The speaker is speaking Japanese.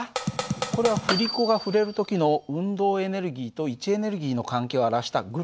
これは振り子が振れる時の運動エネルギーと位置エネルギーの関係を表したグラフなんだよ。